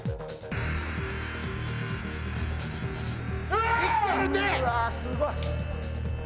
うわーすごい！